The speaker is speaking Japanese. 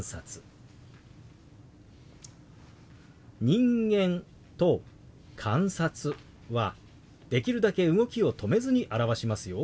「人間」と「観察」はできるだけ動きを止めずに表しますよ。